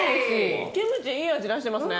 キムチいい味出してますね